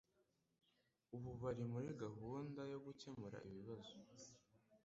ubu bari muri gahunda yo gukemura ibibazo